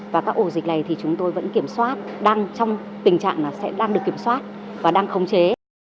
và các ổ dịch này thì chúng tôi vẫn kiểm soát đang trong tình trạng sẽ đang được kiểm soát và đang khống chế